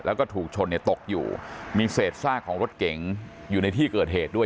แล้วก็ถูกชนเนี่ยตกอยู่มีเศษซากของรถเก๋งอยู่ในที่เกิดเหตุด้วย